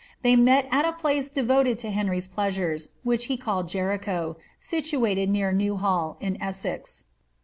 They met at a place de voted to Henry's pleasures, which he called Jericho, situated near New Hall, in Essex.